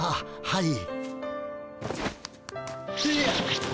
はい。